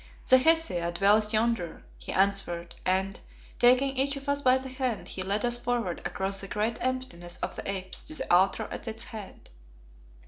"The Hesea dwells yonder," he answered, and, taking each of us by the hand, he led us forward across the great emptiness of the apse to the altar at its head.